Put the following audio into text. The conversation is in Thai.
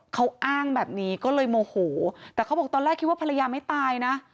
เขาอ้างแบบนี้ก็เลยโมโหแต่เขาบอกตอนแรกคิดว่าภรรยาไม่ตายนะ